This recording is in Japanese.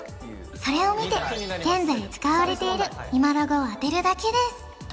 それを見て現在使われている今ロゴを当てるだけです